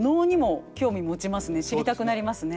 知りたくなりますね。